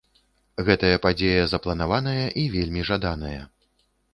Гэтая падзея запланаваная і вельмі жаданая.